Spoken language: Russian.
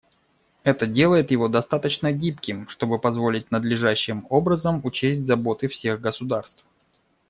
Это делает его достаточно гибким, чтобы позволить надлежащим образом учесть заботы всех государств.